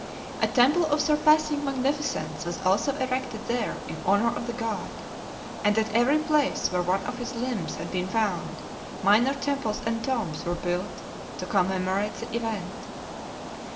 A temple of surpassing magnificence was also erected there in honor of the god, and at every place where one of his limbs had been found minor temples and tombs were built to commemorate the event.